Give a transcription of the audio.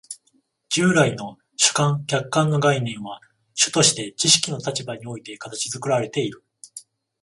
従来の主観・客観の概念は主として知識の立場において形作られている。